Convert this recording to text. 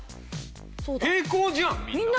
平行じゃんみんな。